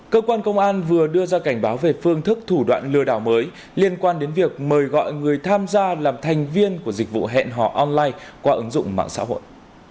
cơ quan công an vừa đưa ra cảnh báo về phương thức thủ đoạn lừa đảo mới liên quan đến việc mời gọi người tham gia làm thành viên của dịch vụ hẹn hò online qua ứng dụng mạng xã hội